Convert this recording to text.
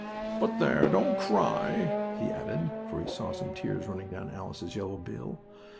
But there, don't cry," he added, for he saw some tears running down Alice's yellow bill.